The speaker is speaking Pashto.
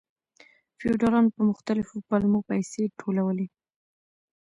فیوډالانو په مختلفو پلمو پیسې ټولولې.